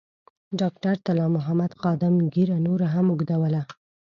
ډاکټر طلا محمد خادم ږیره نوره هم اوږدوله.